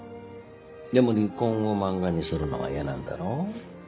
でも離婚を漫画にするのは嫌なんだろう？